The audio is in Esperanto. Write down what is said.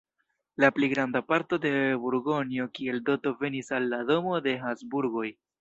La pli granda parto de Burgonjo kiel doto venis al la domo de Habsburgoj.